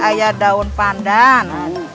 ayah daun pandan